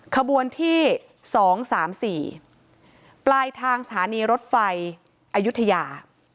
ขบวนที่สองสามสี่ปลายทางสถานีรถไฟอายุธยา